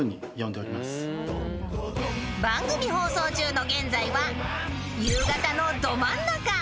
［番組放送中の現在は夕方のドマンナカ］